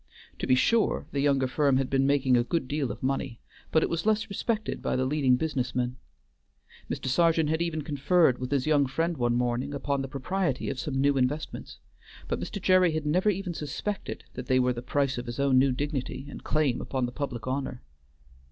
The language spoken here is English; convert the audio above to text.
To be sure, the younger firm had been making a good deal of money, but it was less respected by the leading business men. Mr. Sergeant had even conferred with his young friend one morning upon the propriety of some new investments; but Mr. Gerry had never even suspected that they were the price of his own new dignity and claim upon the public honor.